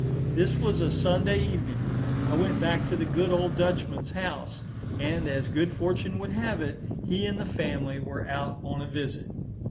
This was a Sunday evening; I went back to the good old Dutchman's house, and as good fortune would have it, he and the family were out on a visit.